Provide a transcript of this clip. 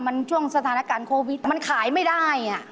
มันช่วงสถานการณ์โควิดมันขายไม่ได้อ่ะ